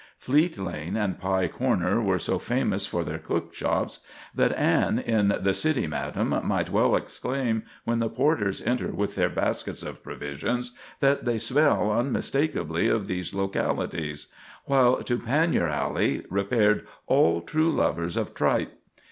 Fleet Lane and Pie Corner were so famous for their cook shops that Anne in "The City Madam" might well exclaim, when the porters enter with their baskets of provisions, that they smell unmistakably of these localities; while to Panyer Alley repaired all true lovers of tripe.